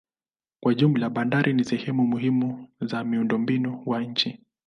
Kwa jumla bandari ni sehemu muhimu za miundombinu wa nchi.